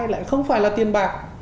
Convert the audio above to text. lại không phải là tiền bạc